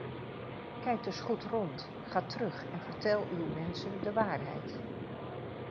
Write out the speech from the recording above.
Kijk dus goed rond, ga terug en vertel uw mensen de waarheid.